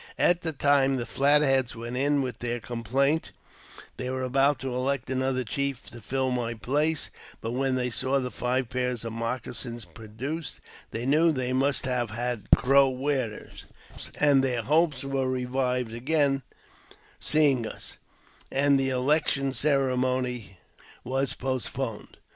x\t the time the Flat Heads went in with their complaint, they were about to elect another chief to fill my place ; but when they saw the five pairs of moccasins produced, they knew they must have had Crow wearers, and their hopes were revived of again seeing us, and the election ceremony was postponed.